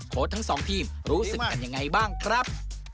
ทั้งสองทีมรู้สึกกันยังไงบ้างครับ